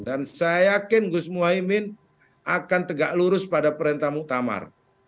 dan saya yakin gus muhaymin akan tegak lurus pada perintah muktamar